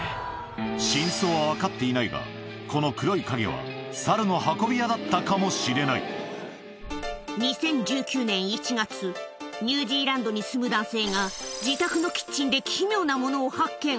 真相は分かっていないが、この黒い影は、２０１９年１月、ニュージーランドに住む男性が自宅のキッチンで、奇妙なものを発見。